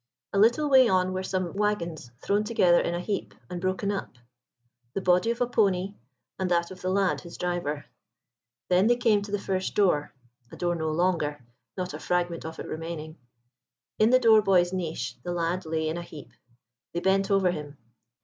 A little way on were some waggons thrown together in a heap, and broken up; the body of a pony; and that of the lad, his driver. Then they came to the first door—a door no longer, not a fragment of it remaining. In the door boy's niche the lad lay in a heap. They bent over him.